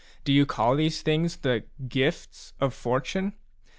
Do you call these things the ' gifts ' of Fortune